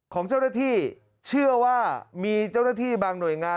ของเจ้าหน้าที่เชื่อว่ามีเจ้าหน้าที่บางหน่วยงาน